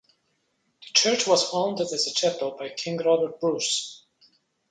The church was founded as a chapel by King Robert Bruce.